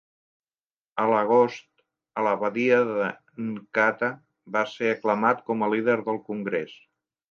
A l'agost, a la badia de Nkata, va ser aclamat com a líder del congrés.